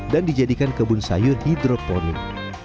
dan dijadikan kebun sayur hidroponik